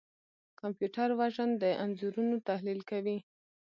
کمپیوټر وژن د انځورونو تحلیل کوي.